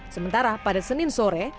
sementara pada senin sore